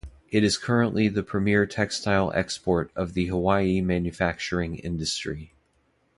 It is currently the premier textile export of the Hawaii manufacturing industry.